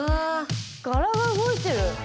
柄が動いてる！